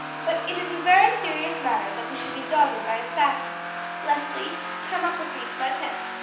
But it is a very serious matter that we should be dogged by assassins. Leslie, come up with me to my tent.